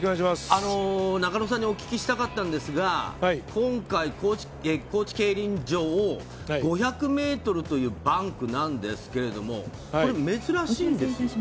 中野さんにお聞きしたかったんですが、今回、高知競輪場、５００ｍというバンクなんですけれども、珍しいんですよね？